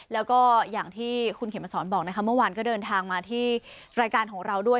แล้วก็อย่างที่คุณเขมสอนบอกนะคะเมื่อวานก็เดินทางมาที่รายการของเราด้วย